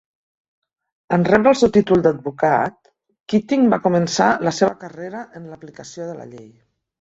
En rebre el seu títol d'advocat, Keating va començar la seva carrera en l'aplicació de la llei.